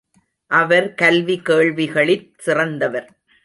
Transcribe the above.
அவர் கல்வி கேள்விகளிற் சிறந்தவர்.